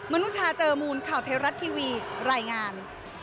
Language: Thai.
นุชาเจอมูลข่าวไทยรัฐทีวีรายงาน